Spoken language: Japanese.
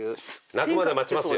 鳴くまで待ちますよ